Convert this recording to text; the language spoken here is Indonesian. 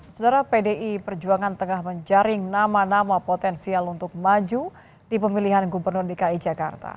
saudara pdi perjuangan tengah menjaring nama nama potensial untuk maju di pemilihan gubernur dki jakarta